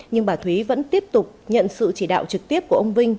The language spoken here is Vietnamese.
nhưng bà thúy vẫn tiếp tục nhận sự chỉ đạo trực tiếp của ông vinh